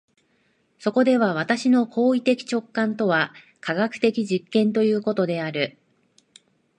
そこでは私の行為的直観とは科学的実験ということである。